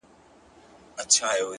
ليلا مجنون’